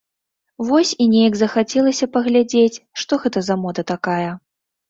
Вось і неяк захацелася паглядзець, што гэта за мода такая.